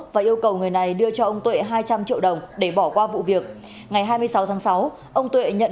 và yêu cầu người này đưa cho ông tuệ hai trăm linh triệu đồng để bỏ qua vụ việc ngày hai mươi sáu tháng sáu ông tuệ nhận